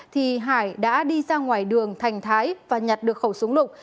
thì hải đã đi ra ngoài đường thành thái và nhặt được khẩu súng lục